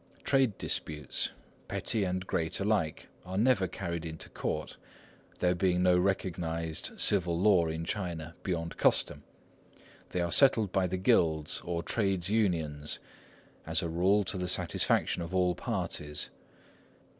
Trade disputes, petty and great alike, are never carried into court, there being no recognised civil law in China beyond custom; they are settled by the guilds or trades unions, as a rule to the satisfaction of all parties.